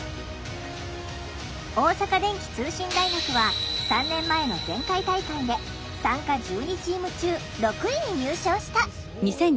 大阪電気通信大学は３年前の前回大会で参加１２チーム中６位に入賞した。